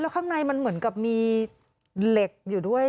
ข้างในมันเหมือนกับมีเหล็กอยู่ด้วย